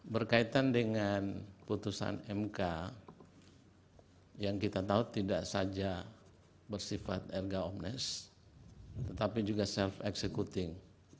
berkaitan dengan putusan mk yang kita tahu tidak saja bersifat erga omnes tetapi juga self executing